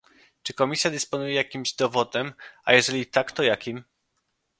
Czy Komisja dysponuje jakimś dowodem, a jeżeli tak, to jakim?